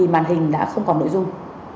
màn hình đã không còn nội dung